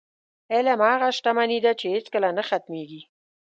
علم هغه شتمني ده، چې هېڅکله نه ختمېږي.